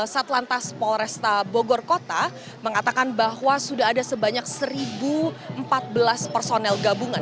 satlantas polresta bogor kota mengatakan bahwa sudah ada sebanyak satu empat belas personel gabungan